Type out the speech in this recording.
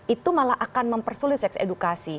itu malah akan mempersulit seks edukasi